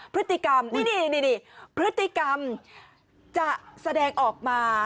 พฤติกรรมนี่พฤติกรรมจะแสดงออกมา